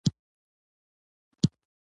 دا رقیب شیعه جوړښتونه وو